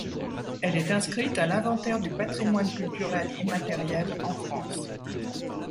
Elle est inscrite à l'Inventaire du patrimoine culturel immatériel en France.